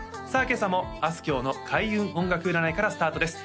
今朝もあすきょうの開運音楽占いからスタートです